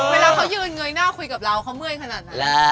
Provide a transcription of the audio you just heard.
เวลาเขายืนเงยหน้าคุยกับเราเขาเมื่อยขนาดนั้น